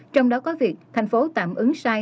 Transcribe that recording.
trong đó có việc thành phố tạm ứng sai